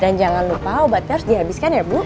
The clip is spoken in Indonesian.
dan jangan lupa obatnya harus dihabiskan ya bu